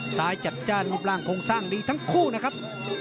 ซ้ายจัดจ้านยิบร่างคงสร้างดีทั้งคู่นะครับ